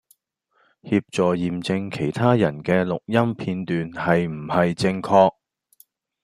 協助驗證其他人既錄音片段係唔係正確